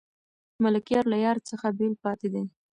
ملکیار له یار څخه بېل پاتې دی.